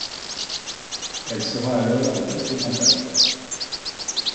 Elle sera alors de toutes les campagnes.